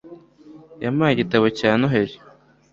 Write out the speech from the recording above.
yampaye igitabo cya noheri